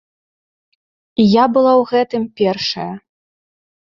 І я была ў гэтым першая.